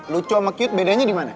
lucu sama cute bedanya dimana